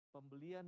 pembelian dua jenis